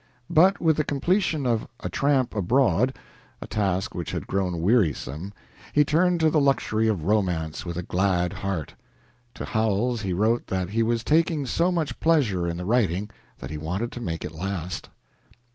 But with the completion of "A Tramp Abroad" a task which had grown wearisome he turned to the luxury of romance with a glad heart. To Howells he wrote that he was taking so much pleasure in the writing that he wanted to make it last.